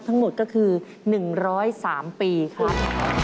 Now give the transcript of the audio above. ทั้งหมดก็คือ๑๐๓ปีครับ